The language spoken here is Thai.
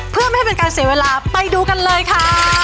เพื่อไม่ให้เป็นการเสียเวลาไปดูกันเลยค่ะ